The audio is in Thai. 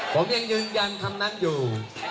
ผมยังยืนยันคำนั้นอยู่